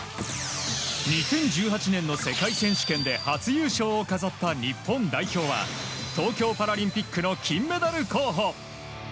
２０１８年の世界選手権で初優勝を飾った日本代表は東京パラリンピックの金メダル候補。